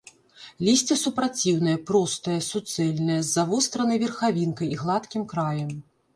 Лісце супраціўнае, простае, суцэльнае, з завостранай верхавінкай і гладкім краем.